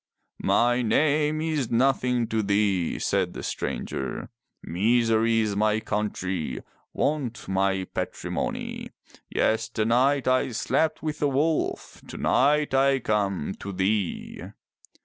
"My name is nothing to thee," said the stranger. "Misery is my country, Want my patrimony. Yesternight I slept with a wolf. Tonight I come to thee!"